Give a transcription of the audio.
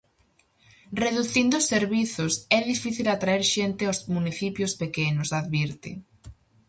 "Reducindo os servizos, é difícil atraer xente aos municipios pequenos", advirte.